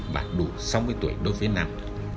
và đủ sáu mươi tuổi đối với nam